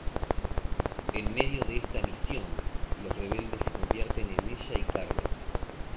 En medio de esta misión, los rebeldes se convierten en ella y Carver.